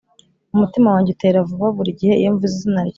umutima wanjye utera vuba buri gihe iyo mvuze izina ryawe.